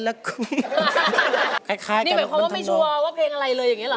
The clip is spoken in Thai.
นี่หมายความว่าไม่ชัวร์ว่าเพลงอะไรเลยอย่างนี้หรอ